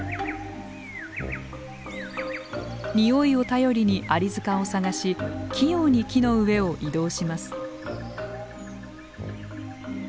においを頼りにアリ塚を探し器用に木の上を移動します。